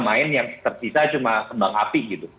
main yang tersisa cuma kembang api gitu